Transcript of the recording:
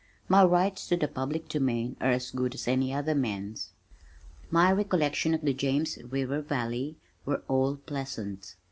My rights to the public domain are as good as any other man's." My recollections of the James River Valley were all pleasant.